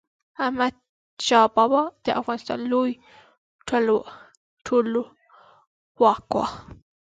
احمد شاه بابا د افغانستان لوی ټولواک و.